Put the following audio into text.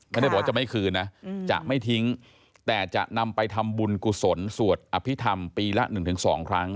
ไม่ได้บอกว่าจะไม่คืนนะจะไม่ทิ้งแต่จะนำไปทำบุญกุศลสวดอภิษฐรรมปีละ๑๒ครั้ง